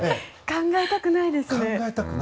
考えたくないですよね。